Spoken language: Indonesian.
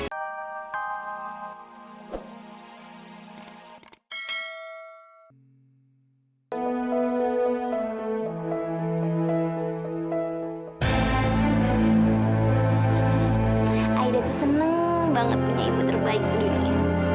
aida tuh seneng banget punya ibu terbaik sendiri